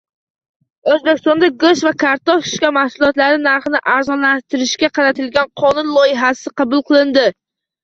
O‘zbekistonda go‘sht va kartoshka mahsulotlari narxini arzonlashtirishga qaratilgan qonun loyihasi qabul qilindi